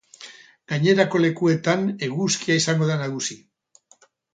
Gainerako lekuetan eguzkia izango da nagusi.